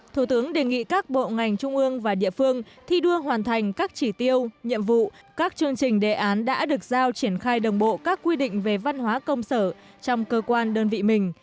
thủ tướng đề nghị các bộ ngành trung ương và địa phương thi đua hoàn thành các chỉ tiêu nhiệm vụ các chương trình đề án đã được giao triển khai đồng bộ các quy định về văn hóa công sở trong cơ quan đơn vị mình